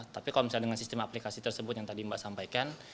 tapi kalau misalnya dengan sistem aplikasi tersebut yang tadi mbak sampaikan